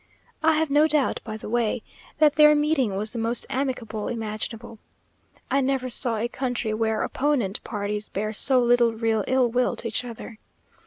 I have no doubt, by the way, that their meeting was the most amicable imaginable. I never saw a country where opponent parties bear so little real ill will to each other.